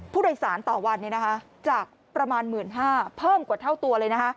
ผู้โดยสารต่อวันจากประมาณ๑๕๐๐เพิ่มกว่าเท่าตัวเลย